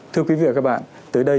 thưa quý vị và các bạn tới đây